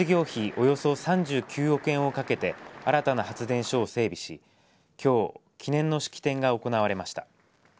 およそ３９億円をかけて新たな発電所を整備しきょう記念の式典が行われました。